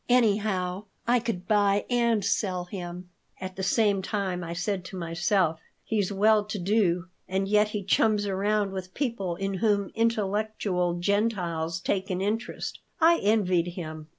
Anyhow, I could buy and sell him." At the same time I said to myself, "He's well to do and yet he chums around with people in whom intellectual Gentiles take an interest." I envied him.